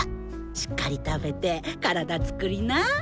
しっかり食べて体つくりな。